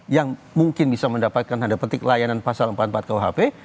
yang mungkin bisa mendapatkan tanda petik layanan pasal empat puluh empat kuhp